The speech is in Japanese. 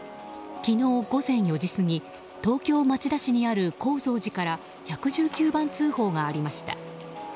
昨日午前４時過ぎ東京・町田市にある高蔵寺から１１９番通報がありました。